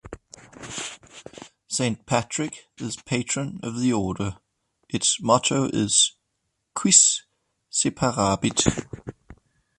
Saint Patrick is patron of the order; its motto is Quis separabit?